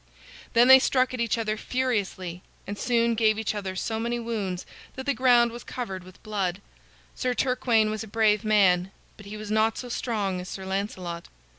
Then they struck at each other furiously, and soon gave each other so many wounds that the ground was covered with blood. Sir Turquaine was a brave man, but he was not so strong as Sir Lancelot.